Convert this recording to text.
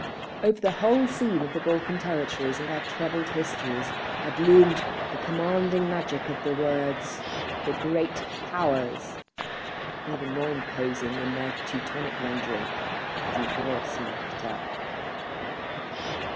Over the whole scene of the Balkan territories and their troubled histories had loomed the commanding magic of the words "the Great Powers"—even more imposing in their Teutonic rendering, "Die Grossmächte."